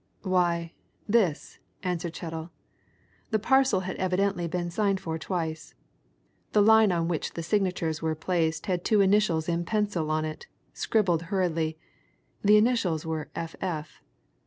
"Why, this," answered Chettle. "The parcel had evidently been signed for twice. The line on which the signatures were placed had two initials in pencil on it scribbled hurriedly. The initials were 'F.F.'